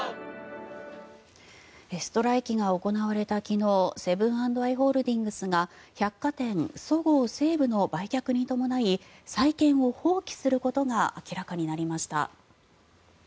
ストライキが行われた昨日セブン＆アイ・ホールディングスが百貨店そごう・西武の売却に伴い債権を放棄することが明らかになりました。